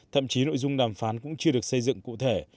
thậm chí nội dung đàm phán cũng chưa được xây dựng cụ thể